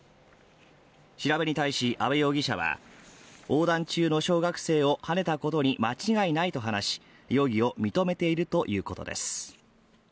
調べに対し阿部容疑者は横断中の小学生をはねたことに間違いないと話し容疑を認めているということです。